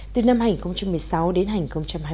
từ năm hành một mươi sáu đến hành hai mươi